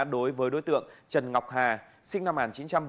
đối với đối tượng trần ngọc hà sinh năm một nghìn chín trăm bảy mươi bảy